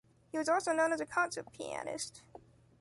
He was also known as a concert pianist.